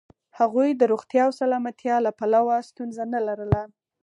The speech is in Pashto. هغوی د روغتیا او سلامتیا له پلوه ستونزه نه لرله.